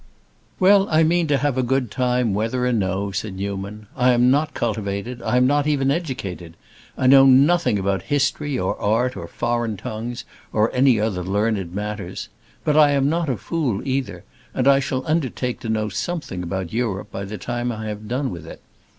"Well, I mean to have a good time, whether or no," said Newman. "I am not cultivated, I am not even educated; I know nothing about history, or art, or foreign tongues, or any other learned matters. But I am not a fool, either, and I shall undertake to know something about Europe by the time I have done with it.